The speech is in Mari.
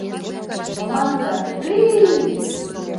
Команда, пли!